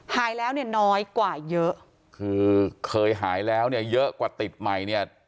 หายแล้วเนี่ยน้อยกว่าเยอะคือเคยหายแล้วเนี่ยเยอะกว่าติดใหม่เนี่ย